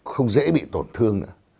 không dễ bị tổn thương nữa